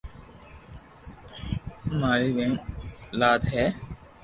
ماري تين اولاد ھي